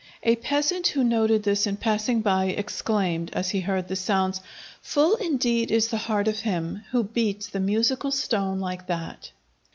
A peasant who noted this in passing by, exclaimed, as he heard the sounds: "Full indeed is the heart of him who beats the musical stone like that!"